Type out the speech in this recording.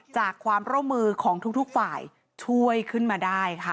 จากความร่วมมือของทุกฝ่ายช่วยขึ้นมาได้ค่ะ